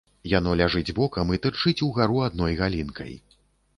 Яно ляжыць бокам і тырчыць угару адной галінкай.